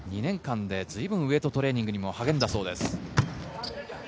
２年間でずいぶんウエイトトレーニングにも励んだそうです。